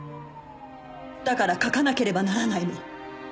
だから書かなければならないの。